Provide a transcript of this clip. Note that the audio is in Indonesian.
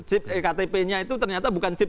chip iktp nya itu ternyata bukan chip